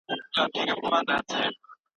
دا څېړنه په رښتیا هم یوه لویه بریا ده.